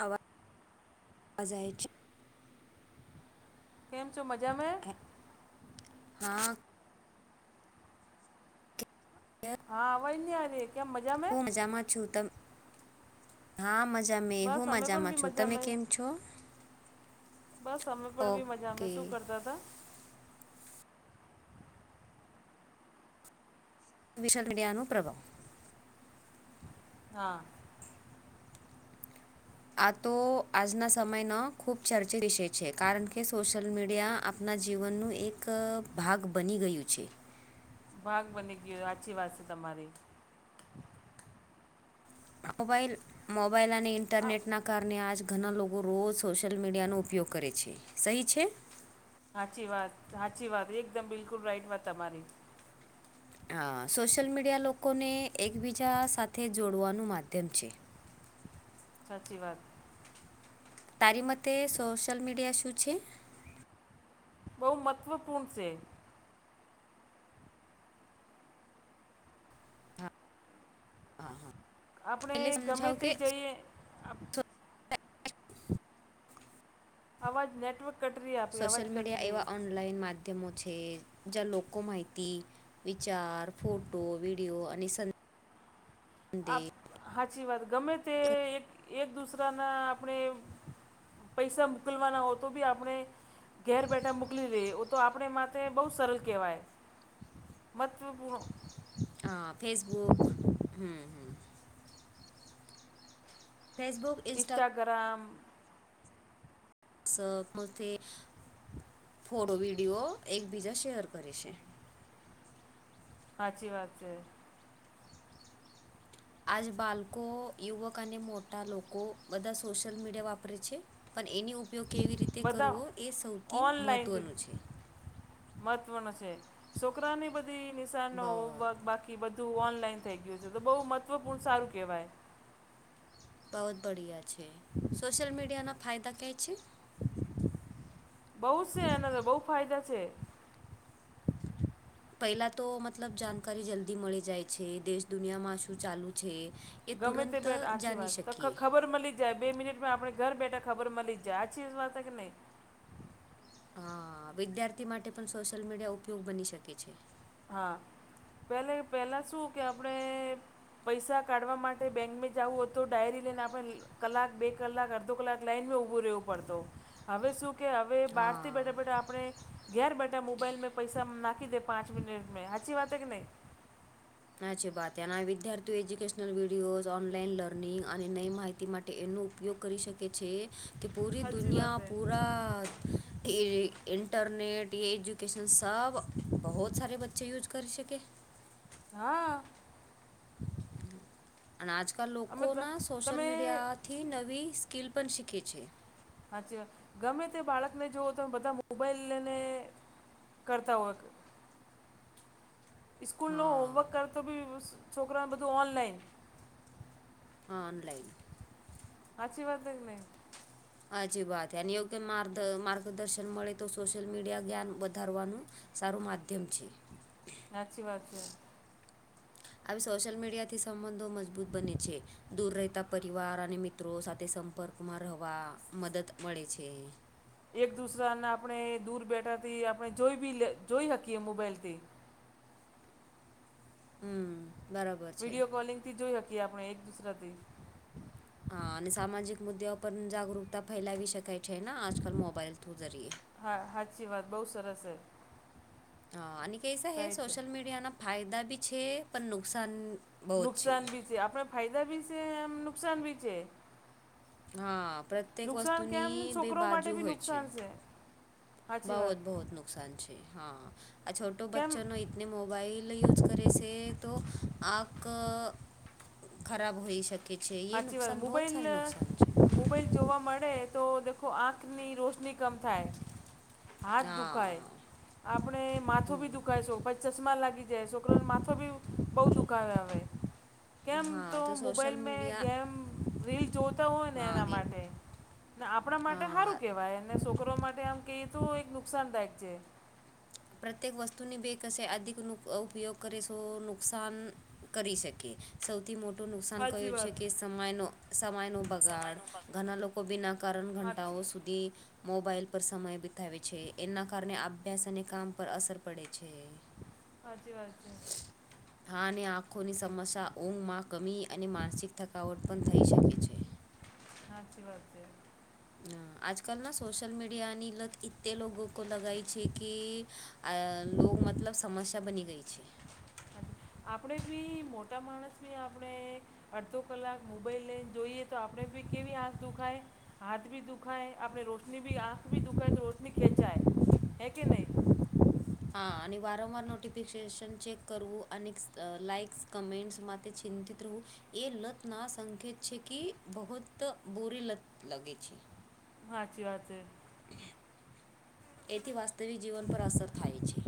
આવા જાય છે કેમ છો મજા મે કે હા [inaudible] હા અવાજ ની આરિયે કયા મજામાં હું મજામાં છું ત હા મજા મે બસ હું અમે પણ મજામાં બી છું મજા તમે મે કેમ છો બસ અમે પણ બી મજા અમે ઓકે શું કરતા હતા વિશલ મીડિયાનું પ્રભાવ હા આ તો આજના સમયનો ખુબ ચર્ચિત વિષય છે કારણ કે સોશિયલ મીડિયા આપના જીવનનું એક ભાગ બની ગયું છે ભાગ બની ગયો આછી વાત છે તમારી મોબાઈલ મોબાઈલ અને આ ઇન્ટરનેટના કારણે આજ ઘણા લોકો રોજ સોશિયલ મીડિયાનો ઉપયોગ કરે છે સહી છે સાાચી વાત સાચી વાત એકદમ બિલકુલ રાઈટ વાત તમારી સોશિયલ મીડિયા લોકોને એકબીજા સાથે જોડવાનું માધ્યમ છે સાચી વાત તારી મતે સોશલ મીડીયા એસ છે બહુ મહત્ત્વપૂર્ણ છે હા હા આપણે એટલે ગમે સમજાવ તે કે જઈએ [inaudible] અવાજ નેટવર્ક કટ ર આપે અવાજ કટ ર માો જ માહિત વિચાર ફોટો વિ તેઓ અનસન આપ સાાચી વાત ગમે તે એક એક દુસરાના આપણે પૈસા મોકલવાના હો તો બી આપણે ઘેર બેઠા મોકલી લે તો આપણે માટેથે બહુ સરળ કહેવાય મહત્ત્વપૂર્ણ હા ફેસબુક હ હ ફેસબુક ઇન્સ્ટાગ્રામ સઅપ મથી ફોટો વિડીયો એકબીજા શેર કરે છે. હાચી વાત છે. આજ બાલકો યુવક અને મોટા લોકો બધા સોશિયલ મીડિયા વાપરે છે પણ એનો ઉપયોગ કેવી રીતે બધા કરવો એ સૌથી મહત્વનું છે. મહત્વનો છે છોકરાની બધી નિશાનનો બ- હોમવર્ક બાક કે બધું ઓનલાઈન થઈ ગયું છે તો બહુ મહત્ત્વપૂર્ણ સારું કહેવાય. બહુત બઢિયા છે સોશિયલ મીડિયા ના ફાયદા કાંઈ છે? બઉ છે એના તો બહુ ફાયદા છે. પહેલા તો મતલબ જાણકારી જલ્દી મળી જાય છે. દેશ દુનિયામાં શું ચાલુ છે એ ગમે તે તુરંત અહ બેટ સાચી જાની વાત તો શકીએ. ખબર મળી જાય બે મિનિટમાં આપડે ઘર બેઠા ખબર મલી જાય આછી વાત કે નહી? હા વિદ્યાર્થી માટે પણ સોશિયલ મીડિયા ઉપયોગ બની શકે છે. હા, પહેલે પહેલાં શું કે આપડે પૈસા કાઢવા માટે બેંક મે જવું હતું ડાયરી લઈને આપડે કલાક બે કલાક અડધો કલાક લાઈનમાં ઉભું રહેવું પડતો. હવે શું કે હવે બાર થી હા બેઠા બેઠા આપણે ઘેર બેઠા મોબાઈલ પૈસા નાખી દે પાંચ મિટ મેં. હાચી વા હે કે નહી? હાચી બાત હૈ. ને આ વિદ્યાર્થીઓ એજ્યુકેશનલ વિડીયોઝ ઓનલાઈન લર્નિંગ અને નઈ માહિતી મા ટે એનો ઉપયોગ કરી શકે છે કે પૂરી સાચી દુનિયા વાત હે પૂરા એ ઇન્ટરનેટ એજ્યુકેશન સબ બહુત સારે બચ્ચે યુઝ કરી શકે. હા. અને આજકાલ અમે લોકોના સોશિયલ તમે મીડિયાથી નવી સ્કીલ પણ શીખે છે. હાચી વાતગમે તે બાળકને જોઓ તમે બધા મોબાઈલ લઈને કરતા હોય સ્કૂલનો હા હોમવર્ક કરતો બી છોકરાને બધું ઓનલાઈન. હા ઓનલાઇન. હાચી વાત હૈ કે નહી? હાચી વાતને એવું કે માર્ માર્ગદર્શન મળે તો સોશિયલ મીડિયા જ્ઞાન વધારવાનું સારું માધ્યમ છે. હાચી વાત છે. આવી સોશિયલ મીડિયાથી સંબંધો મજબૂત બને છે. દૂર રહેતા પરિવાર અને મિત્રો સાથે સંપર્કમાં રહેવા મદદ મળે છે. એક દુસરાને આપણે દૂર બેઠાથી આપણે જોઈ બી જોઈ શકીએ મોબાઈલથી. હમ્મ. વિડિયો કોલિંગ થી જોઈ શકીએ આપણે એક દુસરાથી. હા અને સામાજિક મુદ્દાઓ પર જાગૃકતા ફેલાવી શકાય છે ને આજકાલ મોબાઈલ થ્રુ જરીએ. હા, હાચી વાત બહુ સરસ છે. હા અને કહીસા હે રાઈટ. સોશલ મીડિયા ના ફાયદા બી છે પણ નુકસાન બહુ જ નુકસાન ભી છે આપણે ફાયદા બી છે એમ નુકસાન ભી છે. હા પ્રત્યેક નુકસાન કેમ વસ્તુની બે છોકરો માટે બી નુકસાન છે. સાચી વાત. બહુત બહોત નુકસાન છે. હા આ છોટો કેમ બચ્ચો નો ને મોબાઈલ એ યુઝ કરીએ છે તો આખ ખરાબ હોઈ સકે છે. એે સાચી વાત નુકસાન બહુત મોબાઈલ સારે નુકસાન છે. મોબાઈલ જોવા મળે તો દેખો આંખની રોશની કમ થાય. હાથ દુખાય હા આપણે માથો ભી હમ. દુખાય છે પછી ચશ્મા લાગી જાય છોકરોનો માથો બી બહુ દુખાવે આવે કેમ હા તો સોશિયલ મોબાઈઇલ મે મીડિયા રીલ જોતા હોય ને હા એના ગેમ માટે આપણા માટે સારું હા કે વાને અને છોકરો માટે આમ કહીએ તો એક નુકસાનદાયક છે. પ્રત્યેક વસ્તુની બે કશે અધિક ઉપયોગ કરીશું નુકસાન કરી શકે. સૌથી મોટું નુકસાન સાચી કયું છે વાત કે સમય નો સમય નું બગાડ સાચી ઘણા લોકો બીના કારણ ઘંટાઓ સુધી મોબાઈલ પર સમય બિતાવે છે, એના કારણે અભ્યાસ અને કામ પર અસર પડે છે. હાચી વાત છે. હા અને આંખોની સમસ્યા ઊંઘમાં કમી અને માનસિક થકાવટ પણ થઈ શકે છે. સાચી વાત છે. આજકાલના સોશિયલ મીડિયાની લત એતે લોકો લગાય છે કે લ મતલબ સમસ્યા બની ગઈ છે. આપણે બી મોટા માણસ બી આપણે અડધો કલાક મોબાઈલ લઈને જોઈએ તો આપણે ભી કેવી આંખ દુખાય હાથ ભી દુખાાય આપને રોશની ભી આંખ દુખાાય તો રોશની ખેંચાાય હૈ કે નહી [inaudible] હા અને વારંવાર નોટિફિકેશન ચેક કરવું અને લઇક્સ કમેન્ટ્સ માટે ચિંતિત રહું એ લત ના સંકેત છે કે બહત બોરી લત લગે છે. સાચી વાત છે. એથી વાસ્તવિક જીવન પર અસર થાય છે.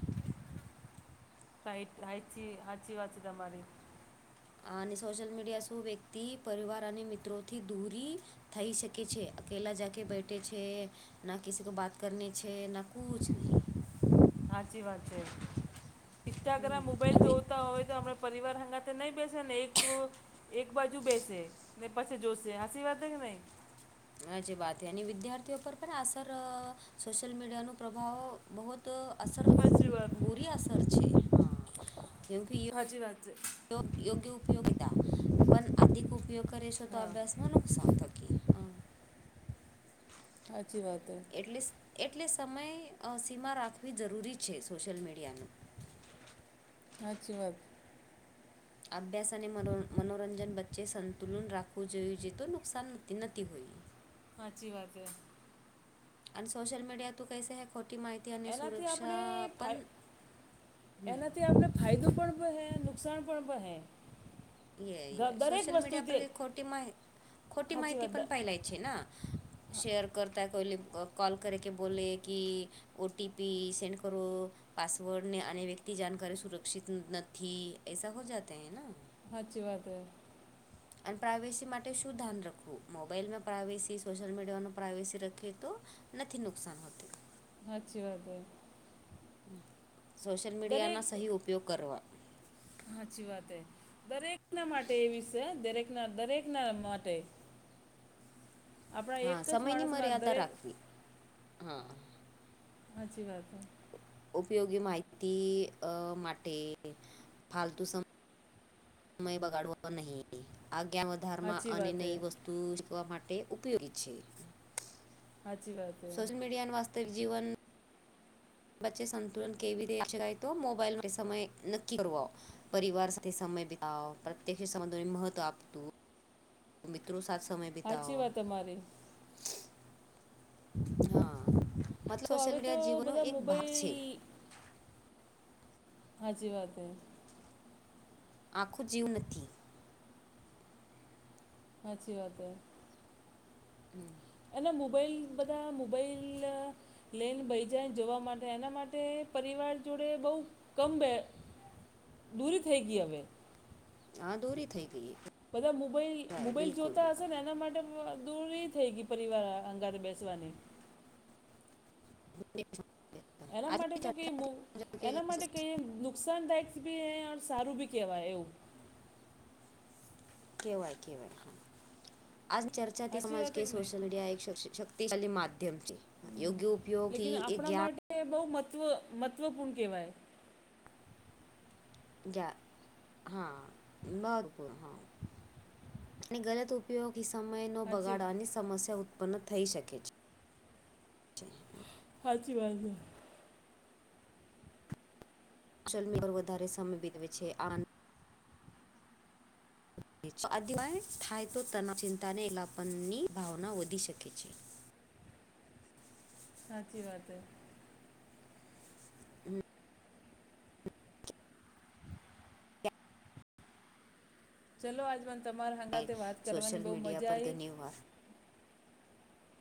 ફ હચી હચી વાચી તમારી અને સોશલ મીડિયા શું વ્યક્તિ પરિવાર અને મિત્રોથી દૂરી થઈ શકે છે અકેલા જકે બેઠે છે. ના કસી કો બાત કરને છે ના કછ સાાચી વાત છે. ઇન્સ્ટાગ્રામ હમ, મોબાઈલ અભી જોતા હોય તો આપ પરિવાર હંગા નહી બેસે ને એક એક બાજુ બેસે ને પછી જોશે હાચી વાત હે કે નઈ હાચી વાત હે એની વિદ્યાર્થીઓ પર પણ અસર સોશિયલ મીડિયાનો પ્રભાવ બહુ જ અ અસર સાચી વાત બૂરી અસર છે કેમ કે [inaudible] યોગ યોગ્ય ઉપયોગીતા પણ [unintelligible] ઉપયોગ કરી છે તો હા અભ્યાસમાં નુકસાન થાય હાચી વાત હે એટલે એટલે સમય અ સીમા રાખવી જરૂરી છે સોશિયલ મીડિયાનું હાચી વાત. અભ્યાસ અને મનો મનોરંજન વચ્ચે સંતુલન રાખવું જોઈએ જે તો નુકસાન નથી હોય. સાચી વાત હે. અને સોશલ મીડિયા તું કૈ સે હે ખોટી માહિતી મતિ અને એનાથી આપણે સુરક્ષા ફાય પણ એનાથી આપણે ફાયદો પણ બ હે નુકસાન પણ બ હે એ દરેક સોશલ મીડિયા પર વસ્તુથી ક ખોટી મા ખોટી સાચી માહિતી વાત પણ ફેલાય છે ના શેયર કરતા કોઈ લ કોલ કર કે બોલે કી ઓ ટી પી સેન્ડ કરો પાસવર્ડ ને આને વ્યક્તિ જાનકારી સુરક્ષિત નથી એસા હો જાતા હૈ ના સાચી વાત હે. અન પ્રાઇવેસી માટે શું ધ્યાન રાખવું મોબાઈલમાં પ્રાઇવેસી સોશિયલ મીડિયાનો પ્રાઇવેસી રખીએ તો નથી નુકસાન હોત સાચી વાત હે. સોશિયલ મીડિયાના સહી ઉપયોગ કરવા હાચી વાત એ દરેકના માટે એવીશે દરેકના દરેકના માટે આપણા એક હા જ સમયની માણસમાં મર્યાદા દરેક રાખવી હા હાચી વાત હે. ઉપયોગી માહિતી અ માટે ફાલતુ સમ સમય બગાડવા નહીં આજ્ઞા વધારમાં સાચી અને વાત નઈ હે વસ્તુ તું [unintelligible] માટે ઉપયોગી છે. હાચી વાત. હે સોશલ મીડિયા ને વાસ્તે જીવન પછે સંતુલન કેવી તો મોબાઈલ સમય નક્કી કર આવો. પરિવાર સાથે સમય બીતાવ પ્રત્યક્ષ સંબંધો ને મહત્વ આપતું તો મિત્રો સાથ સમય સાચી બિતાવો. વાત તમારી હા મતલબ તો સોશિયલ હવે તો મીડિયા જીવનો બધા એક ભાગ છે. મોબાઈલ હાચી વાત હૈ. આખું જીવ નથી. હાચી વાત હૈ. હમ. એ મોબાઈલ બધા મોબાઈલ લઈને ભઈ જાય જોવા માટે એના માટે પરિવાર જોડે બહુ કમ બે દૂરી થઈ ગઈ હવે. હા દોરી થઈ ગઈ. બધા મોબાઈલ મોબાઈલ બિલકુલ જોતા હશે બિલકુલ ને એના માટે દૂરી થઈ ગઈ પરિવાર અંગારે બેસવાની. એના માટે આજની તો કઈ બુ ચર્ચાથી સમજાયું એના માટે કઈ કે દુ. નુકસાનદાયક બી સારું બી કહેવાય એવું. કેવાય કેવાય આજ ચર્ચાથી સાચી સમાજ વાત કે નહીં સોશલ મીડિયા સોશિલ તે ખાલી માધ્યમ છે. યોગ્ય લેકિન ઉપયોગથી એ આપણા જ્ઞાન માટે બહુ મહત્વ મહત્વપૂર્ણ કેવાય. ગયા હા મરપૂર હા અને ગલત ઉપયોગ. સમય નો સાચી બગાડવાની સમસ્યા ઉત્પન્ન થઈ શકે છે. [inaudible] હાચી વાત હે. ચલમી પર વધારે સમય બીતાવે છે આ આદિવાય થાય તો તનાવ ચિંતાને એલાપનની ભાવના વધી શકે છે. સાચી વાત હે. હમ, ચાલો આજમાંન તમારા ક્યારેય સાંગાથે વાત સોશિયલ કરવાની બહુ મીડિયા મજા પર આવી. ઘણી વાર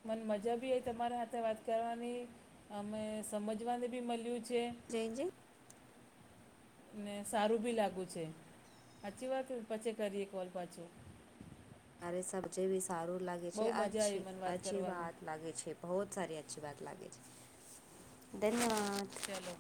મને મજા બી આવી તમારા હાથે વાત કરવાની અમે સમજવાને બી મળ્યું છે. જય જય. [inaudible] ને સારું બી લાગ્યું છે સાચી વાત પછી કરીએ કોલ પાછો. અરે સબજે ભી સારું લાગે છે બહુ મજા આવી અછી મને વાત અચછી કરવાની વાત લાગે છે. બહુ સારી અચછી વાત લાગે છે થેન ચાલો